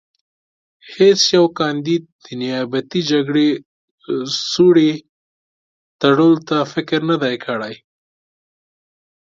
هېڅ یوه کاندید د نیابتي جګړې سوړې تړلو ته فکر نه دی کړی.